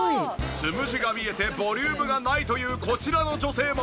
つむじが見えてボリュームがないというこちらの女性も。